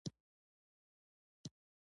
افغانستان د هلمند سیند له امله په نړۍ شهرت لري.